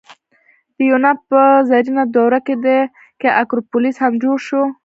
د یونان په زرینه دوره کې اکروپولیس هم جوړ شو.